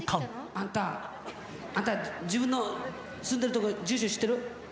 あんた、あんた自分の住んでる所、住所知ってる？